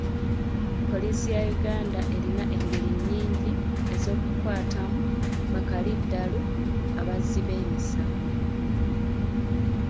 Poliisi ya Uganda erina engeri nnyingi ez'okukwatamu bakaliddalu abazzi b'emisango.